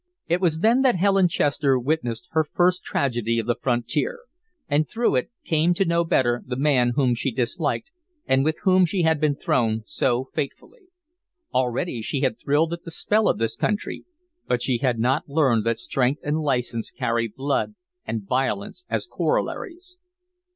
It was then that Helen Chester witnessed her first tragedy of the frontier, and through it came to know better the man whom she disliked and with whom she had been thrown so fatefully. Already she had thrilled at the spell of this country, but she had not learned that strength and license carry blood and violence as corollaries.